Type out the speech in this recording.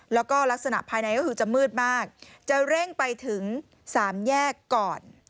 แล้วก็ลักษณะภายในก็คือจะมืดมากจะเร่งไปถึง๓แยกก่อน